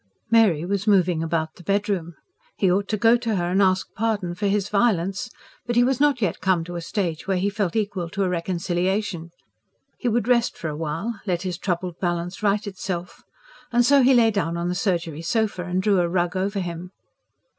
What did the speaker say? Mary was moving about the bedroom. He ought to go to her and ask pardon for his violence. But he was not yet come to a stage when he felt equal to a reconciliation; he would rest for a while, let his troubled balance right itself. And so he lay down on the surgery sofa, and drew a rug over him.